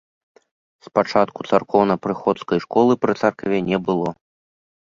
Спачатку царкоўна-прыходскай школы пры царкве не было.